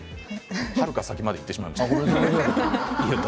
はるか先までいってしまいました。